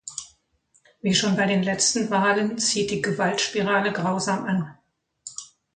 Wie schon bei den letzten Wahlen zieht die Gewaltspirale grausam an.